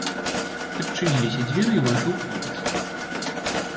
Адчыніліся дзверы, і ўвайшоў хлопец.